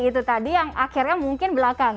itu tadi yang akhirnya mungkin belakang